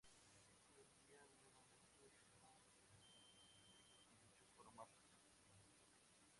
Hoy en día, aún hay gente aficionada que grava películas con dicho formato.